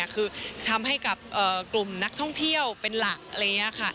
คือทำให้กับกลุ่มนักท่องเที่ยวเป็นหลัก